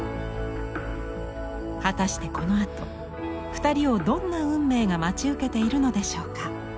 果たしてこのあと２人をどんな運命が待ち受けているのでしょうか？